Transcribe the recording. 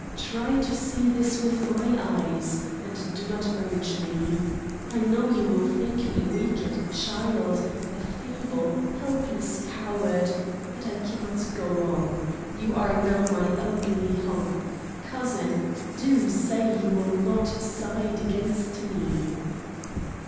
Try to see this with my eyes, and do not urge me. I know you will think me weak and a child, a feeble, helpless coward; but I cannot go on. You are now my only hope. Cousin, do say you will not side against me!"